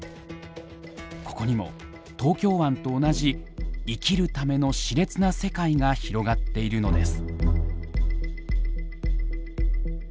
ここにも東京湾と同じ生きるための熾烈な世界が広がっているのです。